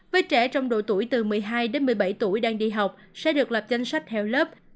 với trẻ trong độ tuổi từ một mươi hai đến một mươi bảy tuổi đang đi học sẽ được lập danh sách theo lớp